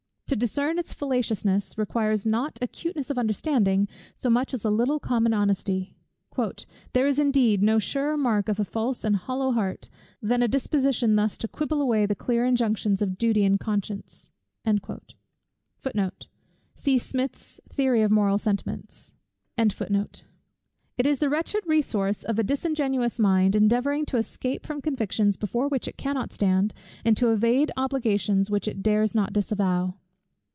To discern its fallaciousness, requires not acuteness of understanding, so much as a little common honesty. "There is indeed no surer mark of a false and hollow heart, than a disposition thus to quibble away the clear injunctions of duty and conscience:" It is the wretched resource of a disingenuous mind, endeavouring to escape from convictions before which it cannot stand, and to evade obligations which it dares not disavow.